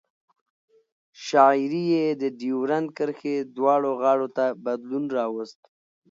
شاعري یې د ډیورند کرښې دواړو غاړو ته بدلون راوست.